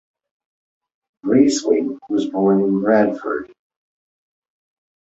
Braithwaite was born in Bradford.